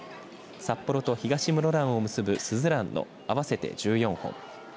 札幌と東室蘭を結ぶすずらんの合わせて１４本。